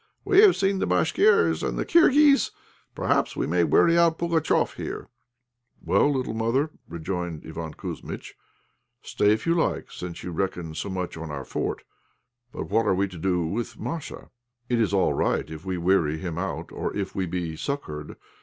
We have seen the Bashkirs and the Kirghiz; perhaps we may weary out Pugatchéf here." "Well, little mother," rejoined Iván Kouzmitch, "stay if you like, since you reckon so much on our fort. But what are we to do with Masha? It is all right if we weary him out or if we be succoured.